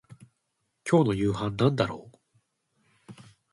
今日の夕飯なんだろう